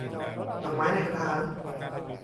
ดอกไม้ในกระถาง